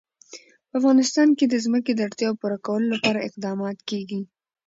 په افغانستان کې د ځمکه د اړتیاوو پوره کولو لپاره اقدامات کېږي.